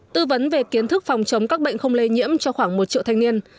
tư vấn về kiến thức phòng chống các bệnh không lây nhiễm cho khoảng một triệu thanh niên